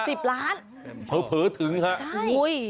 สิบล้านเผอเผอถึงฮะใช่